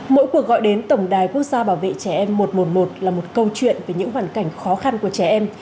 mỗi cuộc gọi đến tổng đài quốc gia bảo vệ trẻ em một trăm một mươi một là một câu chuyện về những hoàn cảnh khó khăn của trẻ em